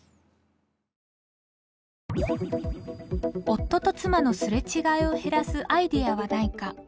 夫と妻の擦れ違いを減らすアイデアはないか。